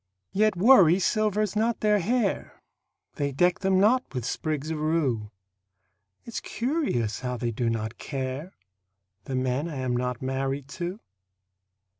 Yet worry silvers not their hair; They deck them not with sprigs of rue. It's curious how they do not care The men I am not married to.